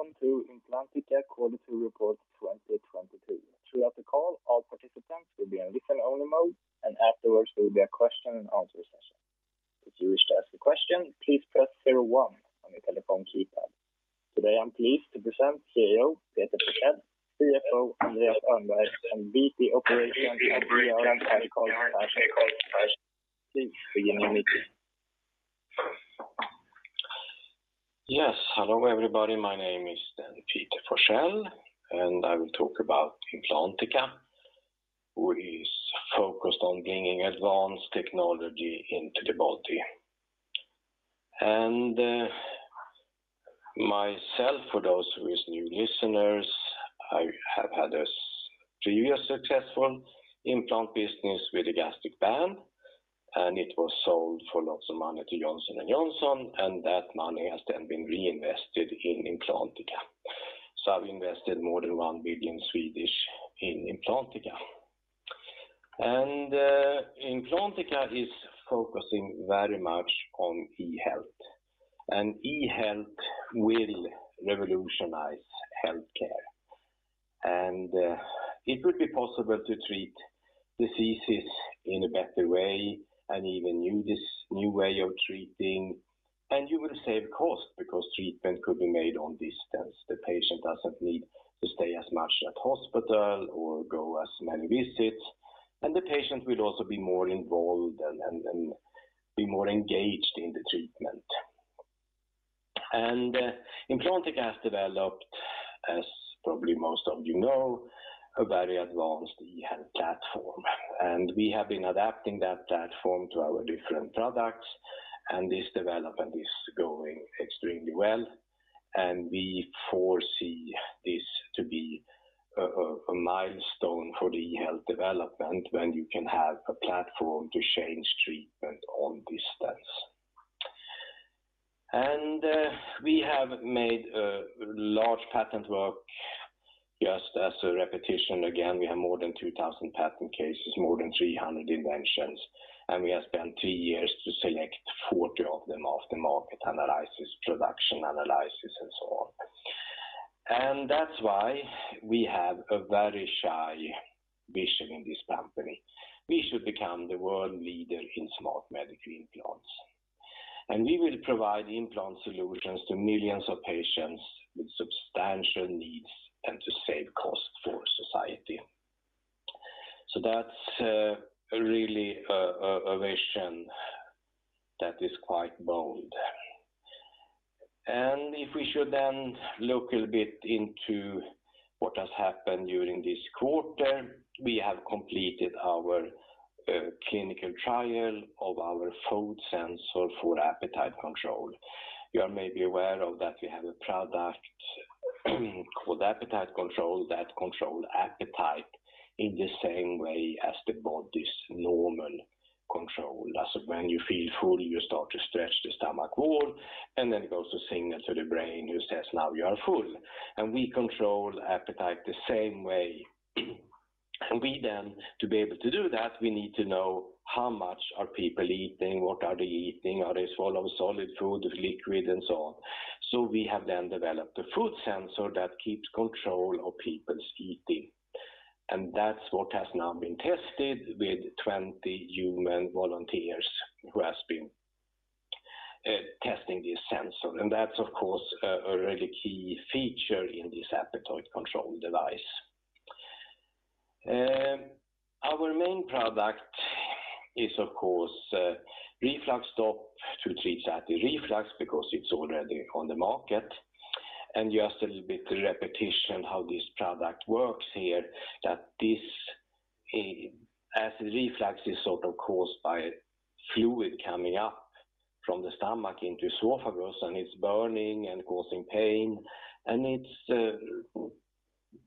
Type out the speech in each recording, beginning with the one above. Welcome to Implantica Quality Report 2022. Throughout the call, all participants will be in listen-only mode, and afterwards there will be a question and answer session. If you wish to ask a question, please press zero one on your telephone keypad. Today I'm pleased to present CEO Peter Forsell, CFO Andreas Öhrnberg, and VP Operations. Please begin your meeting. Yes, hello everybody. My name is Peter Forsell, and I will talk about Implantica, which is focused on bringing advanced technology into the body. Myself, for those who is new listeners, I have had a previous successful implant business with a gastric band, and it was sold for lots of money to Johnson & Johnson, and that money has then been reinvested in Implantica. I've invested more than 1 billion in Implantica. Implantica is focusing very much on eHealth. eHealth will revolutionize health care. It will be possible to treat diseases in a better way and even this new way of treating. You will save cost because treatment could be made on distance. The patient doesn't need to stay as much at hospital or go as many visits. The patient will also be more involved and be more engaged in the treatment. Implantica has developed, as probably most of you know, a very advanced eHealth platform. We have been adapting that platform to our different products, and this development is going extremely well. We foresee this to be a milestone for the eHealth development when you can have a platform to change treatment at a distance. We have made a large patent work. Just as a repetition again, we have more than 2,000 patent cases, more than 300 inventions, and we have spent three years to select 40 of them after market analysis, production analysis, and so on. That's why we have a very high vision in this company. We should become the world leader in smart medical implants. We will provide implant solutions to millions of patients with substantial needs and to save cost for society. That's really a vision that is quite bold. If we should then look a little bit into what has happened during this quarter. We have completed our clinical trial of our food sensor for AppetiteControl. You are maybe aware of that we have a product called AppetiteControl that control appetite in the same way as the body's normal control. That's when you feel full, you start to stretch the stomach wall, and then it goes to signal to the brain who says, "Now you are full." We control appetite the same way. We then to be able to do that, we need to know how much are people eating, what are they eating, are they swallow solid food, liquid, and so on. We have then developed a food sensor that keeps control of people's eating. That's what has now been tested with 20 human volunteers who has been testing this sensor. That's of course a really key feature in this appetite control device. Our main product is of course RefluxStop to treat acid reflux because it's already on the market. Just a little bit repetition how this product works here, that this acid reflux is sort of caused by fluid coming up from the stomach into esophagus, and it's burning and causing pain, and it's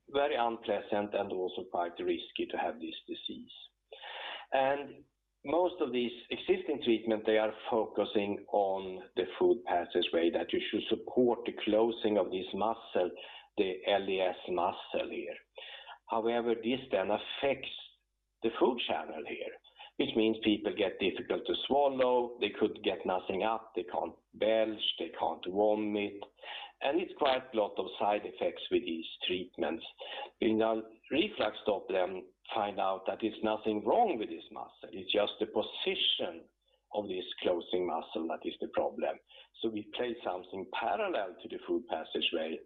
very unpleasant and also quite risky to have this disease. Most of these existing treatment, they are focusing on the food passageway that you should support the closing of this muscle, the LES muscle here. However, this then affects the food channel here, which means people get difficult to swallow. They could get nothing up. They can't belch. They can't vomit. It's quite lot of side effects with these treatments. In our RefluxStop then find out that there's nothing wrong with this muscle. It's just the position of this closing muscle that is the problem. We place something parallel to the food passageway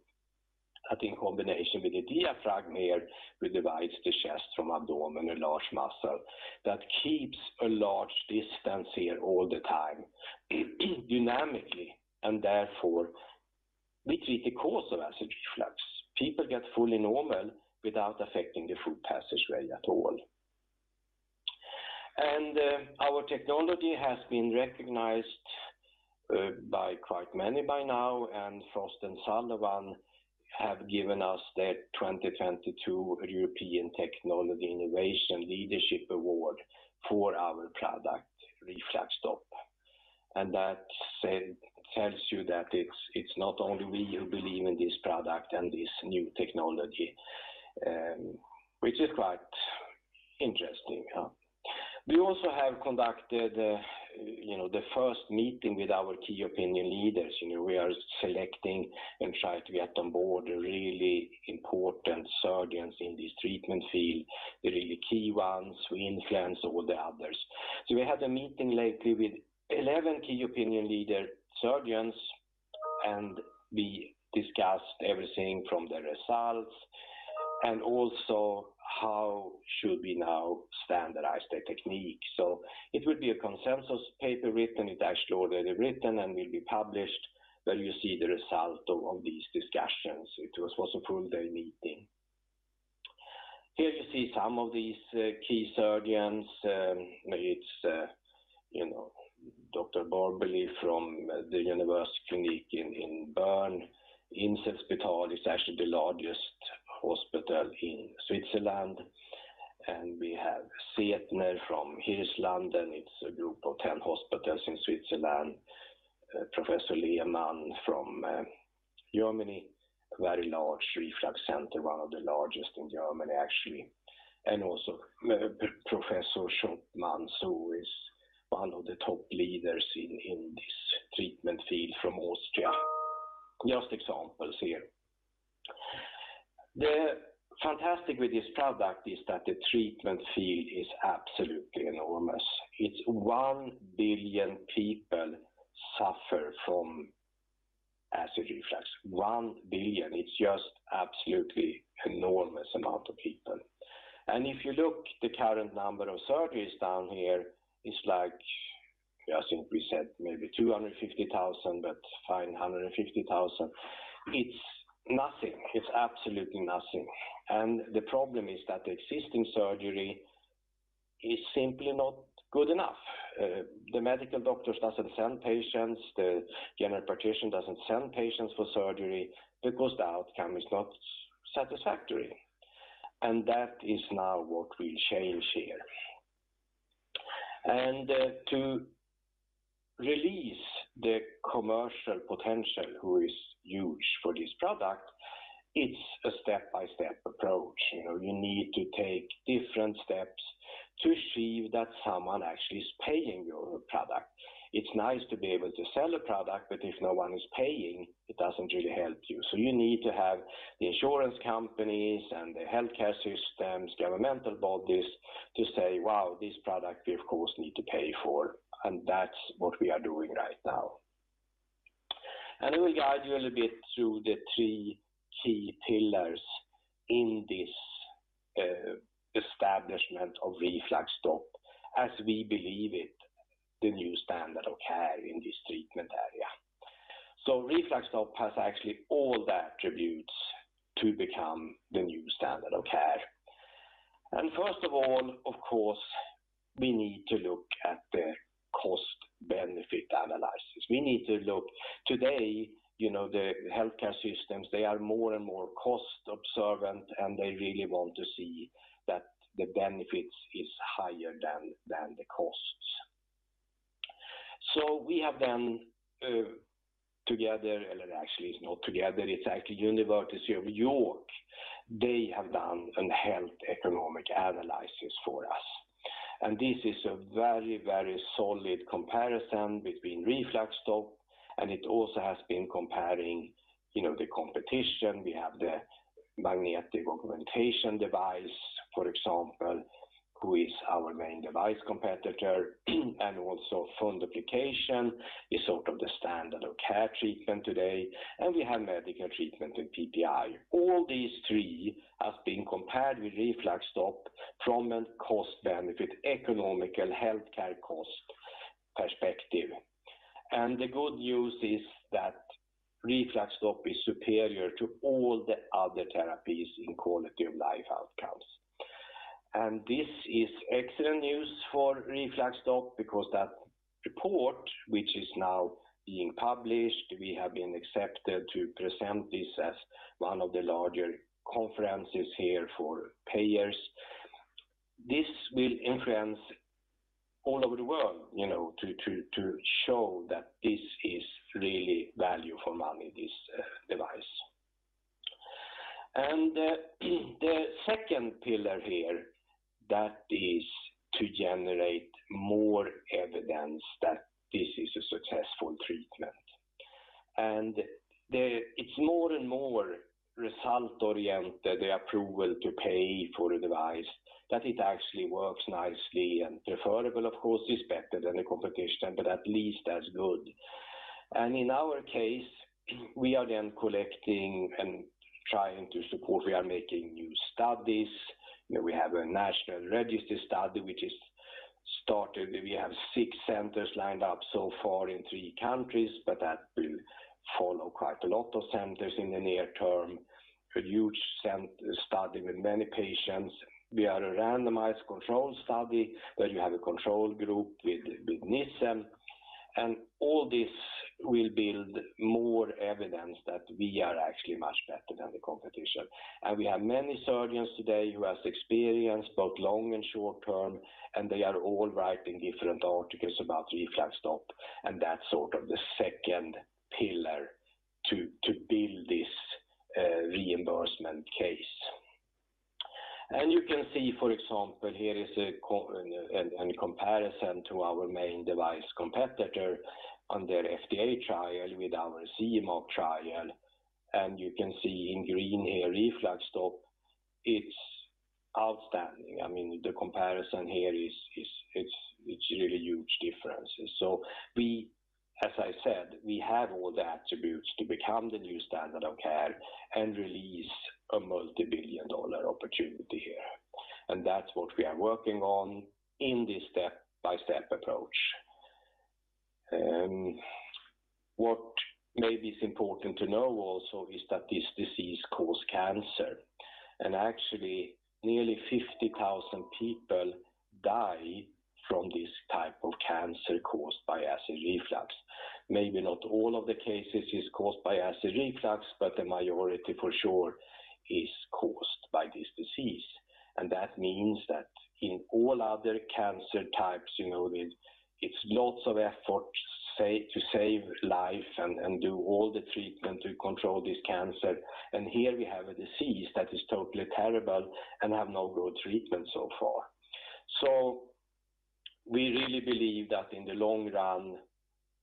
that in combination with the diaphragm here, we divide the chest from abdomen, a large muscle that keeps a large distance here all the time dynamically and therefore we treat the cause of acid reflux. People get fully normal without affecting the food passageway at all. Our technology has been recognized by quite many by now, and Frost & Sullivan have given us their 2022 European Technology Innovation Leadership Award for our product, RefluxStop. That tells you that it's not only we who believe in this product and this new technology, which is quite interesting, huh. We also have conducted the first meeting with our key opinion leaders. You know, we are selecting and trying to get on board really important surgeons in this treatment field. The really key ones who influence all the others. We had a meeting lately with 11 key opinion leader surgeons, and we discussed everything from the results and also how should we now standardize their technique. It would be a consensus paper written. It's actually already written and will be published, where you see the result of these discussions. It was also full-day meeting. Here you see some of these key surgeons. You know, Dr. Borbély from the University Hospital in Bern. Inselspital is actually the largest hospital in Switzerland. We have Jörg Zehetner from Hirslanden. It's a group of 10 hospitals in Switzerland. Professor Thorsten Lehmann from Germany, very large reflux center, one of the largest in Germany, actually, and also Professor Sebastian Schoppmann, who is one of the top leaders in this treatment field from Austria. Just examples here. The fantastic with this product is that the treatment field is absolutely enormous. It's 1 billion people suffer from acid reflux. 1 billion. It's just absolutely enormous amount of people. If you look, the current number of surgeries down here is like, I think we said maybe 250,000, but 550,000. It's nothing. It's absolutely nothing. The problem is that the existing surgery is simply not good enough. The medical doctors doesn't send patients. The general practitioner doesn't send patients for surgery because the outcome is not satisfactory. That is now what we change here. To release the commercial potential, which is huge for this product, it's a step-by-step approach. You know, you need to take different steps to achieve that someone actually is paying your product. It's nice to be able to sell a product, but if no one is paying, it doesn't really help you. You need to have the insurance companies and the healthcare systems, governmental bodies to say, "Wow, this product we of course need to pay for." That's what we are doing right now. Let me guide you a little bit through the three key pillars in this establishment of RefluxStop, as we believe it, the new standard of care in this treatment area. RefluxStop has actually all the attributes to become the new standard of care. First of all, of course, we need to look at the cost-benefit analysis. Today, you know, the healthcare systems, they are more and more cost observant, and they really want to see that the benefits is higher than the costs. We have then, together, or actually it's not together, it's actually University of York. They have done a health economic analysis for us. This is a very, very solid comparison between RefluxStop, and it also has been comparing, you know, the competition. We have the magnetic sphincter augmentation device, for example, who is our main device competitor and also fundoplication is sort of the standard of care treatment today. We have medical treatment and PPI. All these three have been compared with RefluxStop from a cost benefit economic and healthcare cost perspective. The good news is that RefluxStop is superior to all the other therapies in quality of life outcomes. This is excellent news for RefluxStop because that report, which is now being published, we have been accepted to present this at one of the larger conferences here for payers. This will influence all over the world, you know, to show that this is really value for money, this device. The second pillar here, that is to generate more evidence that this is a successful treatment. It's more and more result-oriented, the approval to pay for a device, that it actually works nicely and preferable, of course, is better than the competition, but at least as good. In our case, we are then collecting and trying to support. We are making new studies. We have a national register study, which is started. We have six centers lined up so far in three countries, but that will follow quite a lot of centers in the near term. A huge study with many patients. We have a randomized control study, where you have a control group with Nissen. All this will build more evidence that we are actually much better than the competition. We have many surgeons today who has experience both long and short term, and they are all writing different articles about RefluxStop. That's sort of the second pillar to build this reimbursement case. You can see, for example, here is a comparison to our main device competitor on their FDA trial with our CE mark trial. You can see in green here, RefluxStop, it's outstanding. I mean, the comparison here is it's really huge differences. We, as I said, we have all the attributes to become the new standard of care and release a multi-billion dollar opportunity here. That's what we are working on in this step-by-step approach. What maybe is important to know also is that this disease cause cancer, and actually nearly 50,000 people die from this type of cancer caused by acid reflux. Maybe not all of the cases is caused by acid reflux, but the majority for sure is caused by this disease. That means that in all other cancer types, it's lots of efforts so to save life and do all the treatment to control this cancer. Here we have a disease that is totally terrible and have no good treatment so far. We really believe that in the long run,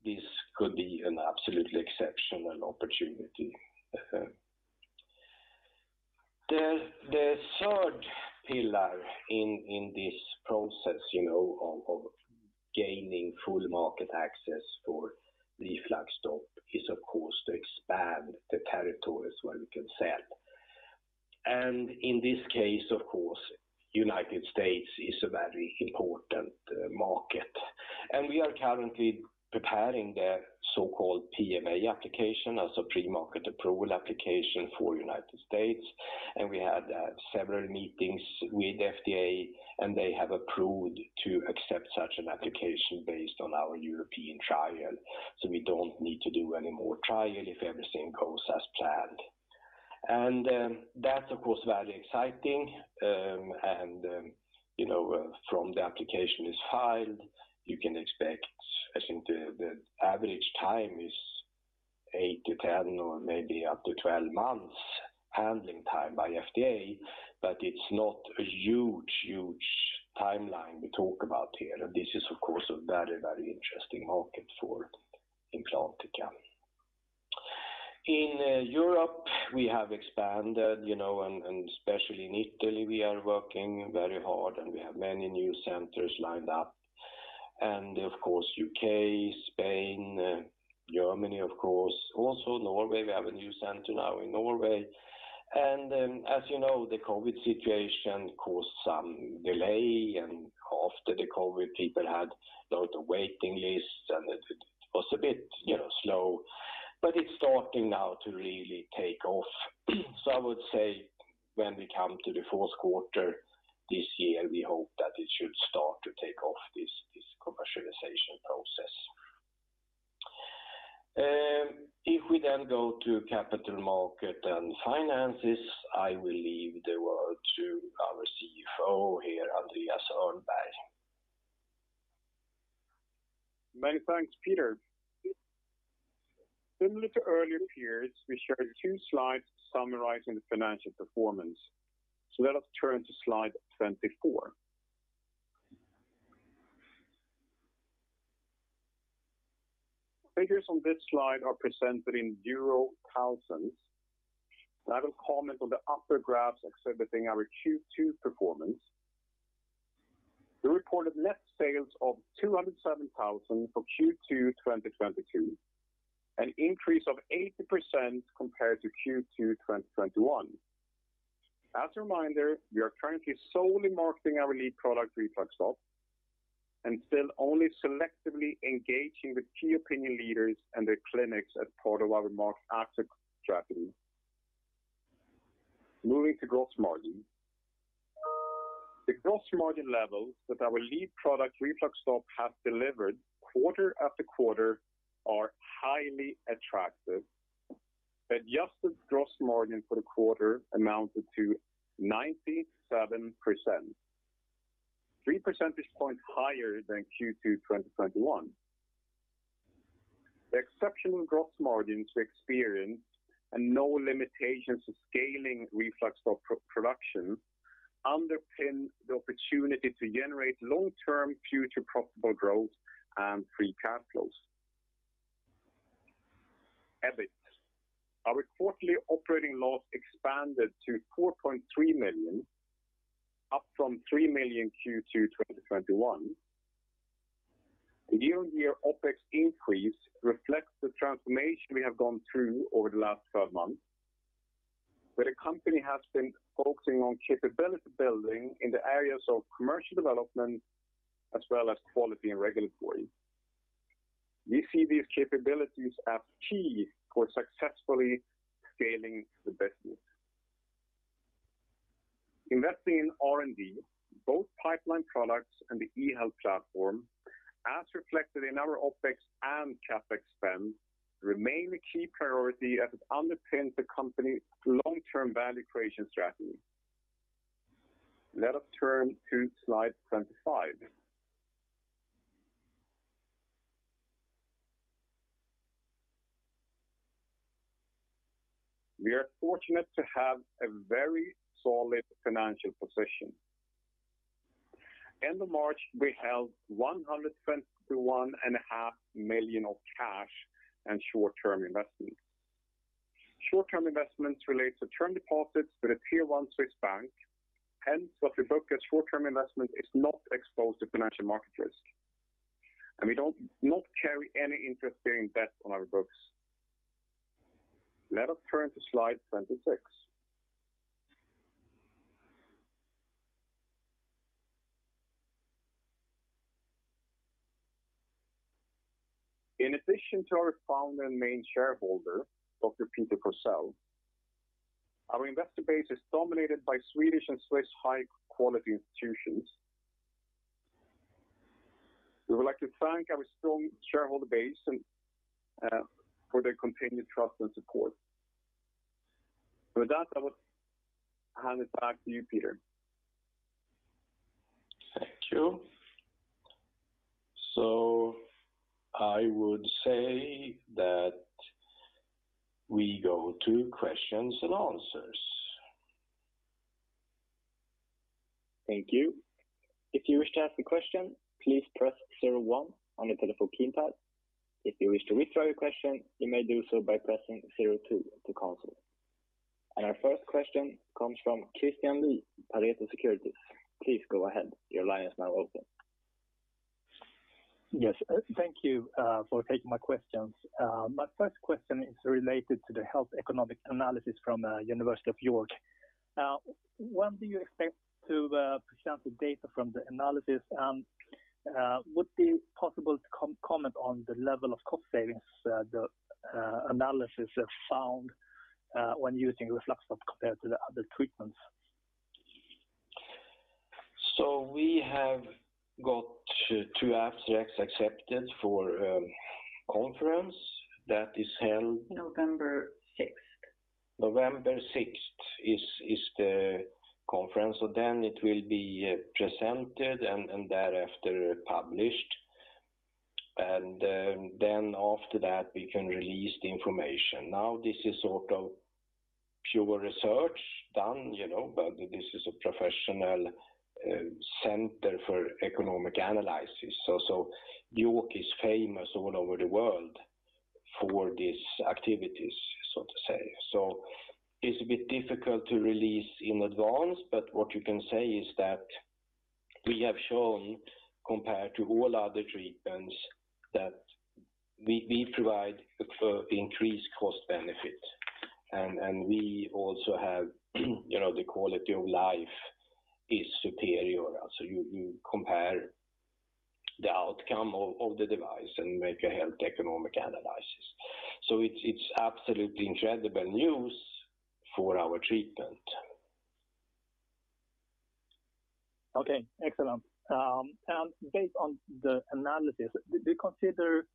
this could be an absolutely exceptional opportunity. The third pillar in this process of gaining full market access for RefluxStop is of course to expand the territories where we can sell. In this case, of course, United States is a very important market. We are currently preparing the so-called PMA application, that's a pre-market approval application for United States. We had several meetings with FDA, and they have approved to accept such an application based on our European trial. We don't need to do any more trial if everything goes as planned. That's of course very exciting. From the application is filed, you can expect, I think the average time is 8-10 or maybe up to 12 months handling time by FDA, but it's not a huge timeline we talk about here. This is of course a very interesting market for Implantica. In Europe, we have expanded and especially in Italy, we are working very hard, and we have many new centers lined up. Of course, U.K., Spain, Germany, of course, also Norway. We have a new center now in Norway. As you know, the COVID situation caused some delay, and after the COVID, people had a lot of waiting lists, and it was a bit, you know, slow. It's starting now to really take off. I would say when we come to the fourth quarter this year, we hope that it should start to take off, this commercialization process. If we then go to capital market and finances, I will leave the floor to our CFO here, Andreas Öhrnberg. Many thanks, Peter. Similar to earlier periods, we share two slides summarizing the financial performance. Let us turn to slide 24. Figures on this slide are presented in euro thousands. I will comment on the upper graphs exhibiting our Q2 performance. We reported net sales of 207,000 for Q2 2022, an increase of 80% compared to Q2 2021. As a reminder, we are currently solely marketing our lead product, RefluxStop, and still only selectively engaging with key opinion leaders and their clinics as part of our market access strategy. Moving to gross margin. The gross margin levels that our lead product RefluxStop has delivered quarter after quarter are highly attractive. Adjusted gross margin for the quarter amounted to 97%, 3 percentage points higher than Q2 2021. The exceptional gross margins experienced and no limitations to scaling RefluxStop production underpin the opportunity to generate long-term future profitable growth and free cash flows. EBIT. Our quarterly operating loss expanded to 4.3 million, up from 3 million Q2 2021. The year-on-year OpEx increase reflects the transformation we have gone through over the last 12 months, where the company has been focusing on capability building in the areas of commercial development as well as quality and regulatory. We see these capabilities as key for successfully scaling the business. Investing in R&D, both pipeline products and the eHealth platform, as reflected in our OpEx and CapEx spend, remain a key priority as it underpins the company's long-term value creation strategy. Let us turn to slide 25. We are fortunate to have a very solid financial position. End of March, we held 121.5 million of cash and short-term investments. Short-term investments relates to term deposits with a tier one Swiss bank, hence what we book as short-term investment is not exposed to financial market risk. We don't carry any interest-bearing debt on our books. Let us turn to slide 26. In addition to our founder and main shareholder, Dr. Peter Forsell, our investor base is dominated by Swedish and Swiss high-quality institutions. We would like to thank our strong shareholder base and for their continued trust and support. With that, I will hand it back to you, Peter. Thank you. I would say that we go to questions and answers. Thank you. If you wish to ask a question, please press zero one on your telephone keypad. If you wish to withdraw your question, you may do so by pressing zero two at the console. Our first question comes from Christian Lee, Pareto Securities. Please go ahead. Your line is now open. Yes. Thank you for taking my questions. My first question is related to the health economic analysis from University of York. When do you expect to present the data from the analysis? And would it be possible to comment on the level of cost savings that the analysis have found when using RefluxStop compared to the other treatments? We have got two abstracts accepted for conference that is held. November sixth November sixth is the conference. Then it will be presented and thereafter published. Then after that, we can release the information. Now, this is sort of pure research done, you know, but this is a professional center for economic analysis. York is famous all over the world for these activities, so to say. It's a bit difficult to release in advance, but what you can say is that we have shown compared to all other treatments that we provide for increased cost benefit. We also have, you know, the quality of life is superior. You compare the outcome of the device and make a health economic analysis. It's absolutely incredible news for our treatment. Okay. Excellent. Based on the analysis, do you consider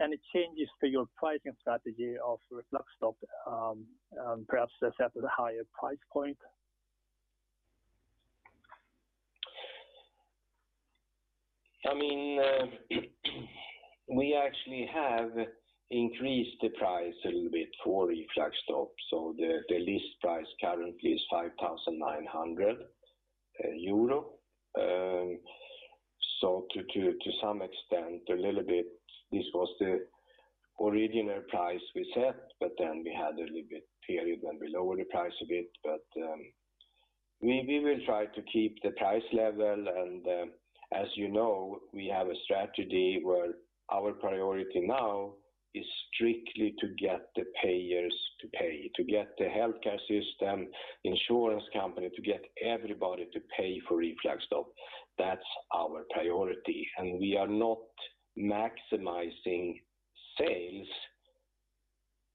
any changes to your pricing strategy of RefluxStop, perhaps set at a higher price point? I mean, we actually have increased the price a little bit for RefluxStop. The list price currently is 5,900 euro. To some extent, a little bit this was the original price we set, but then we had a little bit period when we lowered the price a bit. We will try to keep the price level. As you know, we have a strategy where our priority now is strictly to get the payers to pay, to get the healthcare system, insurance company, to get everybody to pay for RefluxStop. That's our priority. We are not maximazing sales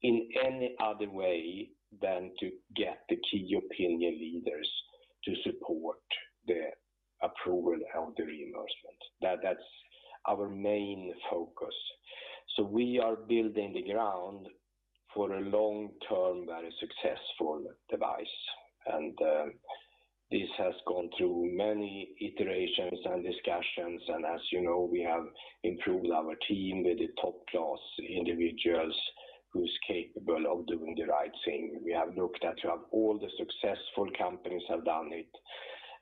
in any other way than to get the key opinion leaders to support the approval and the reimbursement. That's our main focus. We are building the ground for a long-term, very successful device. This has gone through many iterations and discussions. As you know, we have improved our team with the top-class individuals who's capable of doing the right thing. We have looked at how all the successful companies have done it,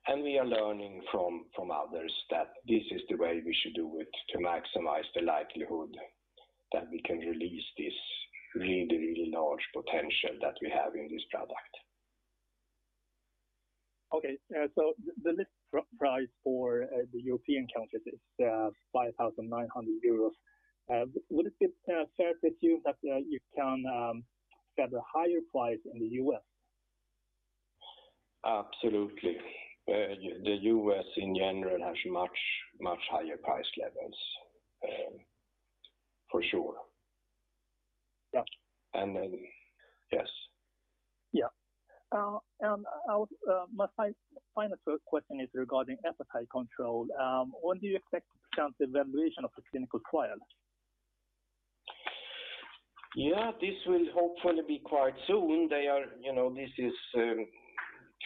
and we are learning from others that this is the way we should do it to maximize the likelihood that we can release this really, really large potential that we have in this product. The list price for the European countries is 5,900 euros. Would it be fair to assume that you can get a higher price in the U.S.? Absolutely. The U.S. in general has much, much higher price levels, for sure. Gotcha. Yes. Yeah. I would, my final third question is regarding AppetiteControl. When do you expect to present the evaluation of the clinical trial? Yeah, this will hopefully be quite soon. They are, you know, this is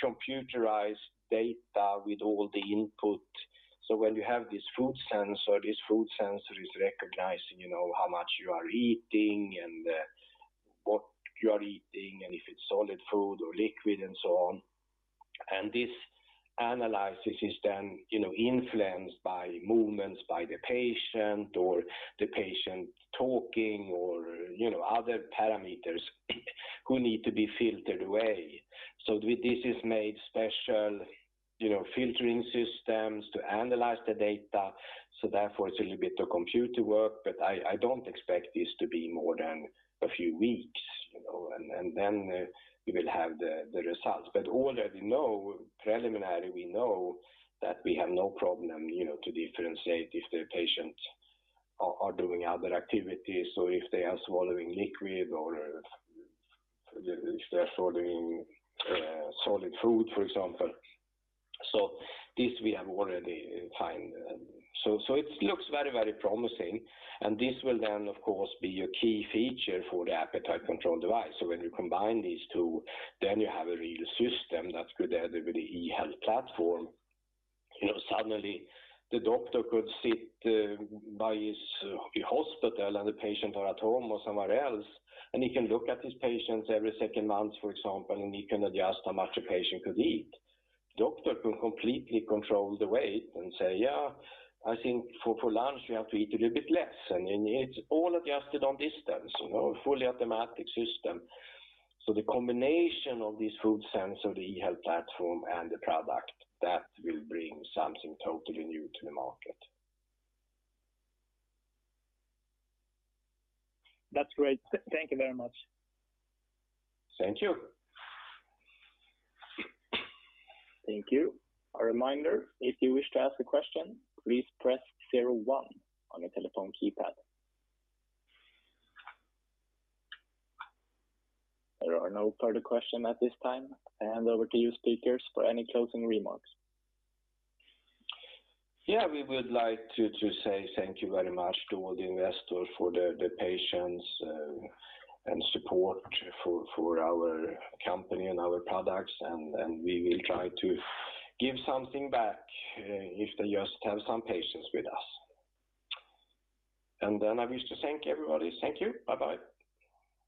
computerized data with all the input. When you have this food sensor, this food sensor is recognizing, you know, how much you are eating and what you are eating and if it's solid food or liquid and so on. This analysis is then, you know, influenced by movements by the patient or the patient talking or, you know, other parameters who need to be filtered away. With this is made special, you know, filtering systems to analyze the data, so therefore it's a little bit of computer work. I don't expect this to be more than a few weeks, you know, and then we will have the results. Already know, preliminary we know that we have no problem, you know, to differentiate if the patients are doing other activities or if they are swallowing liquid or if they're swallowing solid food, for example. So this we have already find. So it looks very, very promising and this will then of course be a key feature for the appetite control device. So when you combine these two, then you have a real system that could have the eHealth platform. You know, suddenly the doctor could sit by his hospital and the patient are at home or somewhere else, and he can look at his patients every second month, for example, and he can adjust how much a patient could eat. Doctor can completely control the weight and say, "Yeah, I think for lunch you have to eat a little bit less." It's all adjusted on distance, you know, fully automatic system. The combination of this food sensor, the eHealth platform and the product, that will bring something totally new to the market. That's great. Thank you very much. Thank you. Thank you. A reminder, if you wish to ask a question, please press zero one on your telephone keypad. There are no further questions at this time. I hand over to the speakers for any closing remarks. Yeah, we would like to say thank you very much to all the investors for the patience and support for our company and our products and we will try to give something back if they just have some patience with us. I wish to thank everybody. Thank you. Bye-bye.